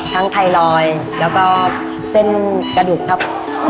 ทั้งไทรลอยแล้วก็เส้นกระดูกถ้าปรับ